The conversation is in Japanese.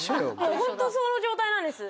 ホントその状態なんです。